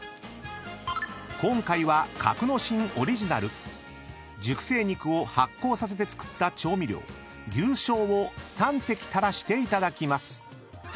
［今回は格之進オリジナル熟成肉を発酵させて作った調味料牛醤を３滴垂らしていただきます］